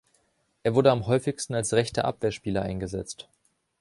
Er wurde am häufigsten als rechter Abwehrspieler eingesetzt.